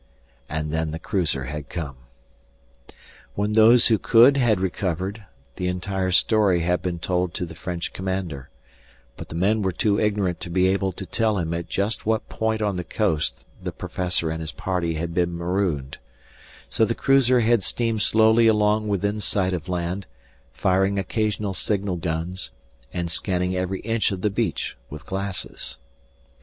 And then the cruiser had come. When those who could had recovered, the entire story had been told to the French commander; but the men were too ignorant to be able to tell him at just what point on the coast the professor and his party had been marooned, so the cruiser had steamed slowly along within sight of land, firing occasional signal guns and scanning every inch of the beach with glasses.